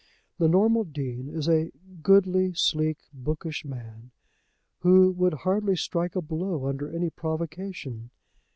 The normal Dean is a goodly, sleek, bookish man, who would hardly strike a blow under any provocation.